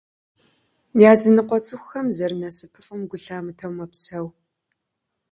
Языныкъуэ цӏыхухэм зэрынасыпыфӏэм гу лъамытэу мэпсэу.